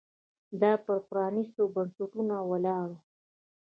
دا پر پرانېستو بنسټونو ولاړ و